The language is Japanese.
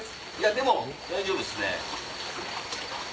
でも大丈夫っすね。